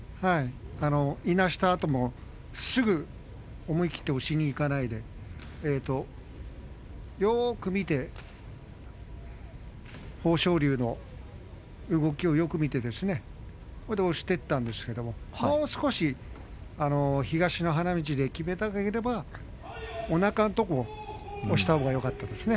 いなしたあともすぐ思い切って押しにいかないでよく見て豊昇龍の動きをよく見てですねそして押していったんですけれどもう少し東の花道でのほうできめたければおなかのところを押したほうがよかったですね。